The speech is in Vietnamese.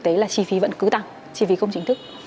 thì chi phí vẫn cứ tăng chi phí không chính thức